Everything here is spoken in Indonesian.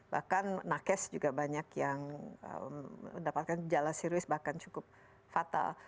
bahkan nakes juga banyak yang mendapatkan gejala serius bahkan cukup fatal